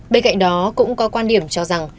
bên cạnh đó cũng có câu hỏi là